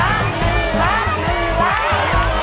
โอ้โห